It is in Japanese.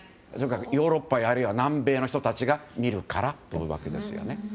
ヨーロッパあるいは南米の人たちが見るからというわけです。